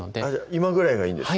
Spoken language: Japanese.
今ぐらいがいいんですか？